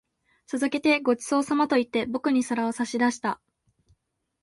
続けて、ご馳走様と言って、僕に皿を差し出した。